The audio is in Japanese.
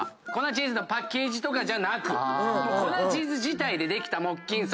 粉チーズのパッケージとかじゃなく粉チーズ自体でできた木琴。